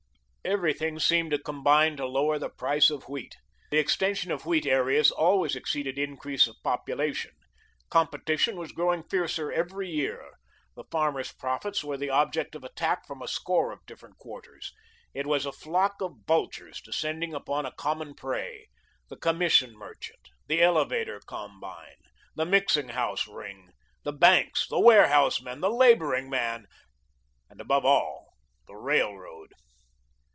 Everything seemed to combine to lower the price of wheat. The extension of wheat areas always exceeded increase of population; competition was growing fiercer every year. The farmer's profits were the object of attack from a score of different quarters. It was a flock of vultures descending upon a common prey the commission merchant, the elevator combine, the mixing house ring, the banks, the warehouse men, the labouring man, and, above all, the railroad.